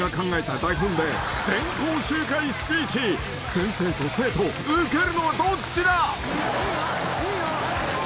［先生と生徒ウケるのはどっちだ？］